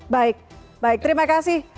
baik baik terima kasih